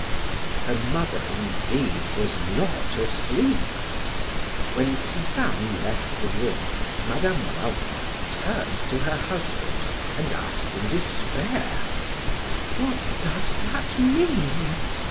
Her mother indeed was not asleep. When Suzanne left the room, Mine. Walter turned to her husband and asked in despair: "What does that mean?"